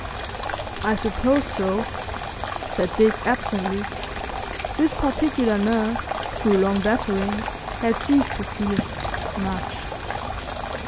'" "I suppose so," said Dick, absently. This particular nerve through long battering had ceased to feel—much.